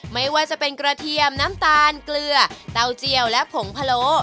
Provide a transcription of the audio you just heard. ไม่ว่าจะเป็นกระเทียมน้ำตาลเกลือเตาเจียวและผงพะโล